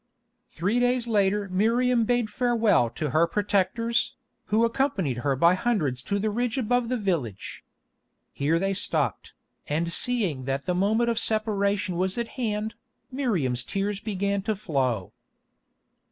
Three days later Miriam bade farewell to her protectors, who accompanied her by hundreds to the ridge above the village. Here they stopped, and seeing that the moment of separation was at hand, Miriam's tears began to flow.